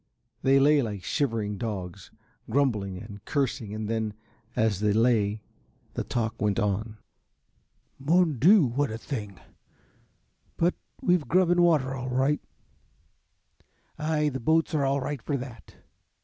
They lay like shivering dogs, grumbling and cursing and then, as they lay, the talk went on. "Mon Dieu! What a thing but we've grub and water all right." "Ay, the boats are all right for that."